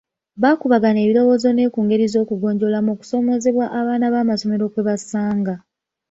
Baakubaganya ebirowoozo ne ku ngeri z'okugonjoolamu okusoomoozebwa abaana b'amasomero kwe basanga.